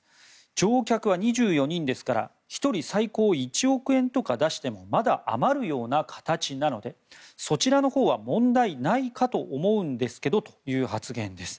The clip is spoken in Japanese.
乗客は２４人ですから１人最高１億円とか出してもまだ余るような形なのでそちらのほうは問題ないかと思うんですけどという発言です。